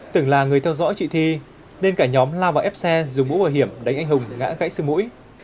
từng là người theo dõi chị thi nên cả nhóm lao vào ép xe dùng mũ bảo hiểm đánh anh hùng ngã gãy xương mũi